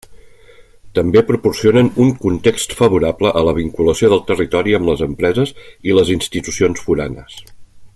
També proporcionen un context favorable a la vinculació del territori amb les empreses i les institucions foranes.